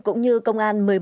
cũng như công an